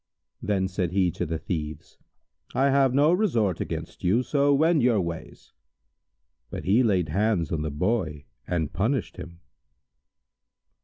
Then said he to the Thieves, "I have no resort against you, so wend your ways!" But he laid hands on the Boy and punished him.